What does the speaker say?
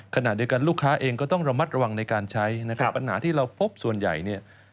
ขณะโดยการลูกค้าเองก็ต้องระมัดระวังในการใช้ปัญหาที่เราพบส่วนใหญ่